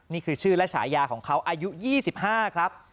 นี่คือชื่อและฉายาของเขาอายุ๒๕ครับ